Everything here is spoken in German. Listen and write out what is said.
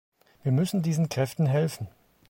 Wir müssen diesen Kräften helfen.